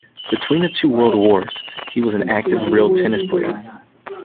Between the two world wars, he was an active real tennis player.